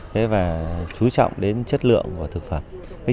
thứ ba là chuẩn bị về cải tiến cơ cấu lại tổ chức sản xuất